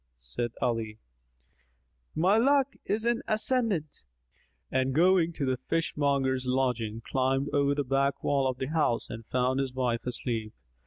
Said Ali, "My luck is in the ascendant," and going to the fishmonger's lodging, climbed over the back wall of the house and found his wife asleep.